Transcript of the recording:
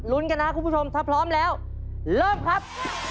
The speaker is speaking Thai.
กันนะคุณผู้ชมถ้าพร้อมแล้วเริ่มครับ